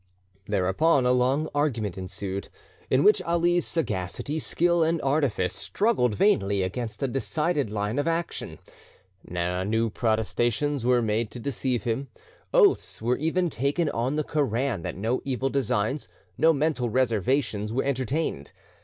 Thereupon a long argument ensued, in which Ali's sagacity, skill, and artifice struggled vainly against a decided line of action. New protestations were made to deceive him, oaths were even taken on the Koran that no evil designs, no mental reservations, were entertained.